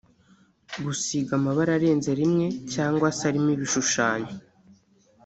Gusiga amabara arenze rimwe cyangwa se arimo ibishushanyo